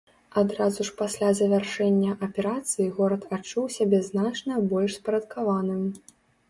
Адразу ж пасля завяршэння аперацыі горад адчуў сябе значна больш спарадкаваным.